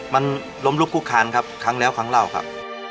มันล้มลุกคุกคานครับครั้งแล้วครั้งเล่าครับ